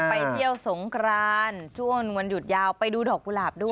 ไปเที่ยวสงครานช่วงวันหยุดยาวไปดูดอกกุหลาบด้วย